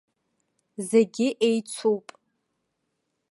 Зегь еицуп.